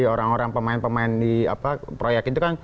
orang orang pemain pemain di proyek itu kan